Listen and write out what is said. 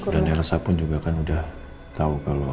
dan elsa pun juga kan udah tahu